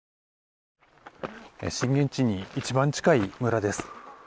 震源地に一番近い村です。